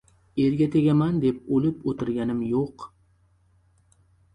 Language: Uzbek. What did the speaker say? — Erga tegaman deb o‘lib o‘tirganim yo‘q…